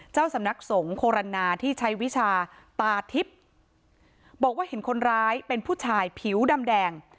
เจ้าสำนักสงฆ์โฆรณาที่ใช้วิชาตาทิพย์บอกว่าเห็นคนร้ายเป็นผู้ชายผิวดำแดง